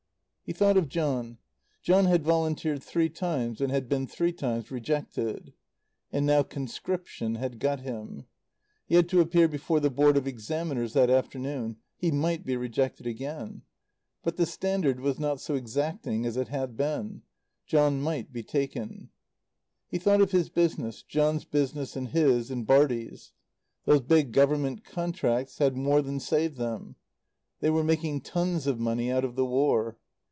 He thought of John. John had volunteered three times and had been three times rejected. And now conscription had got him. He had to appear before the Board of Examiners that afternoon. He might be rejected again. But the standard was not so exacting as it had been John might be taken. He thought of his business John's business and his, and Bartie's. Those big Government contracts had more than saved them. They were making tons of money out of the War.